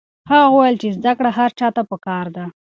هغه وویل چې زده کړه هر چا ته پکار ده.